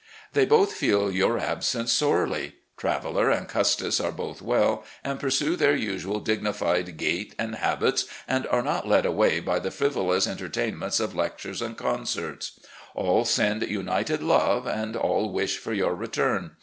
They both feel your absence sorely. Traveller and Custis are both weU, and pursue their usual dignified gait and habits, and are not led away by the frivolous enter tainments of lectures and concerts. All send united love, and all wish for your return.